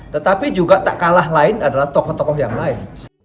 tetapi juga tak kalah lain adalah tokoh tokoh yang lain